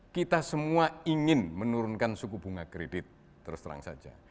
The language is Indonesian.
kita semua ingin menurunkan suku bunga kredit terus terang saja